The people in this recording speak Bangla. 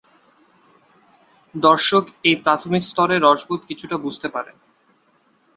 দর্শক এই প্রাথমিক স্তরে রসবোধ কিছুটা বুঝতে পারে।